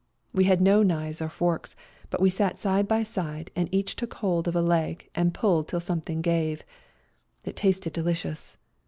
We had no knives or forks, but we sat side by side, and each took hold of a leg and pulled till something gave. It tasted delicious